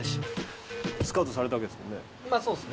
スカウトされたわけですもんね？